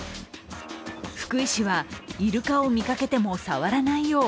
福井市はイルカを見かけても触らないよう